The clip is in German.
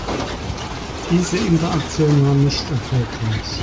Diese Interaktion war nicht erfolgreich.